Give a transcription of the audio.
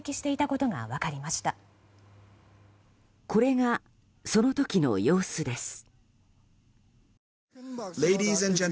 これが、その時の様子です。